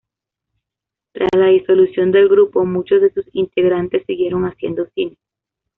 Tras la disolución del grupo muchos de sus integrantes siguieron haciendo cine.